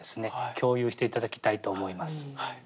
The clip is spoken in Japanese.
共有して頂きたいと思います。